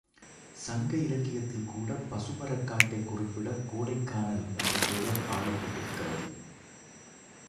சங்க இலக்கியத்தில் கூடப் பசுமரக் காட்டைக் குறிப்பிடக் கோடைக்கானல் என்ற தொடர் ஆளப்பட்டிருக்கிறது.